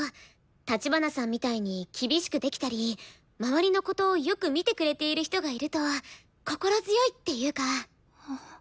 立花さんみたいに厳しくできたり周りのことよく見てくれている人がいると心強いっていうか。